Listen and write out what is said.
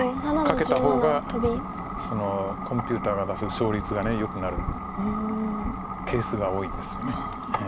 カケた方がコンピューターが出す勝率がよくなるケースが多いんですよね。